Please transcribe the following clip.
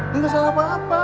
lu ga salah apa apa